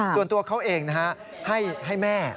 ส่วนตัวเขาเองนะฮะให้แม่